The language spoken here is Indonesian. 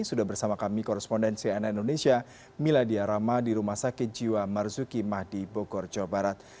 sudah bersama kami korespondensi ana indonesia miladia rahma di rumah sakit jiwa marzuki mahdi bogor jawa barat